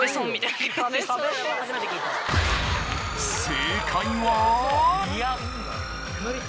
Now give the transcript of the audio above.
正解は？